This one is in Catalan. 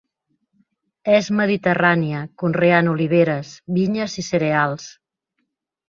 És mediterrània, conreant oliveres, vinyes i cereals.